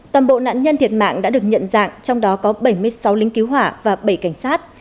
toàn bộ nạn nhân thiệt mạng đã được nhận dạng trong đó có bảy mươi sáu lính cứu hỏa và bảy cảnh sát